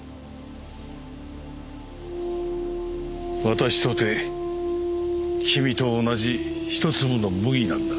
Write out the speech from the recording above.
私とて君と同じ一粒の麦なんだから。